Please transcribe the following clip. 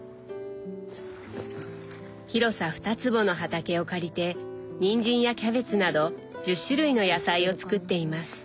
広さ２坪の畑を借りてにんじんやキャベツなど１０種類の野菜を作っています。